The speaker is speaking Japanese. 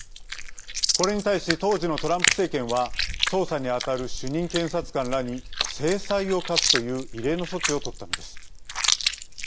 これに対し当時のトランプ政権は捜査にあたる主任検察官らに制裁を科すという異例の措置をとったのです。